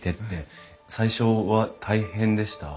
最初は大変でした？